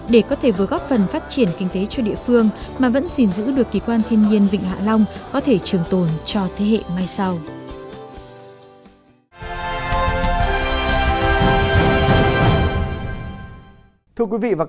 để có thể vừa góp phần phát triển kinh tế cho địa phương mà vẫn gìn giữ được kỳ quan thiên nhiên vịnh hạ long có thể trường tồn cho thế hệ mai sau